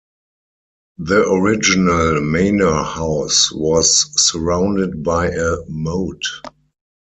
The original manor house was surrounded by a moat.